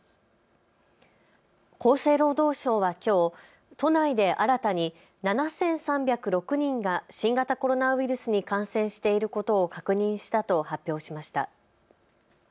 厚生労働省はきょう都内で新たに７３０６人が新型コロナウイルスに感染していることを確認したと発表しました。